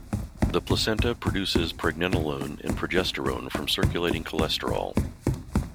The placenta produces pregnenolone and progesterone from circulating cholesterol.